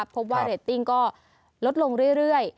พบว่าเรตติ้งก็ลดลงเรื่อย